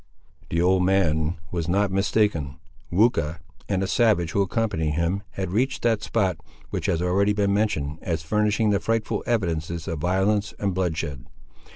The old man was not mistaken. Weucha, and a savage who accompanied him, had reached that spot, which has already been mentioned as furnishing the frightful evidences of violence and bloodshed.